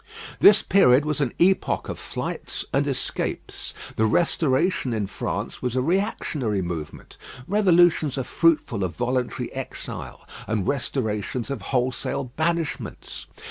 This period was an epoch of flights and escapes. The Restoration in France was a reactionary movement. Revolutions are fruitful of voluntary exile; and restorations of wholesale banishments.